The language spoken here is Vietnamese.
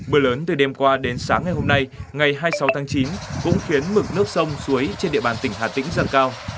bữa lớn từ đêm qua đến sáng ngày hôm nay ngày hai mươi sáu tháng chín cũng khiến mực nước sông suối trên địa bàn tỉnh hà tĩnh dần cao